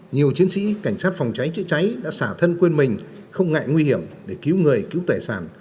nhiều chiến sĩ cảnh sát phòng cháy chữa cháy đã xả thân quên mình không ngại nguy hiểm để cứu người cứu tài sản